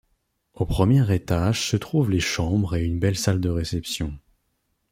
Au premier étages se trouvent les chambres et une belle salle de réception.